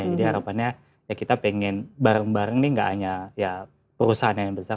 jadi harapannya kita pengen bareng bareng ini gak hanya perusahaan yang besar